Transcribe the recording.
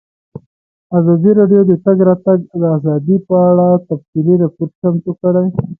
ازادي راډیو د د تګ راتګ ازادي په اړه تفصیلي راپور چمتو کړی.